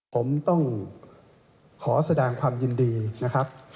ผมต้องขอแสดงความยินดีนะครับ